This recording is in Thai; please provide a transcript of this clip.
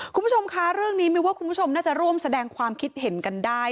คุณผู้ชมคะเรื่องนี้มิวว่าคุณผู้ชมน่าจะร่วมแสดงความคิดเห็นกันได้